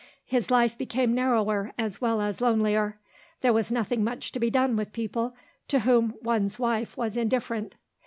His life became narrower as well as lonelier. There was nothing much to be done with people to whom one's wife was indifferent.